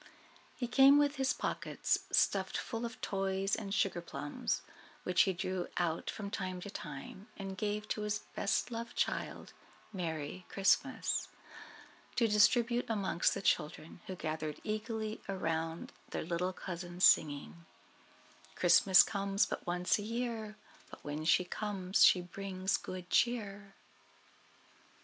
He came with his pockets stuffed full of toys and sugarplums, which he drew out from time to time, and gave to his best loved child, Merry Christmas, to distribute amongst the children, who gathered eagerly around their little cousin, saying: "Christmas comes but once a year, But when she comes she brings good cheer."